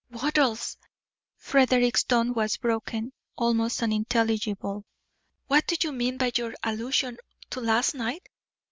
"Wattles," Frederick's tone was broken, almost unintelligible, "what do you mean by your allusion to last night?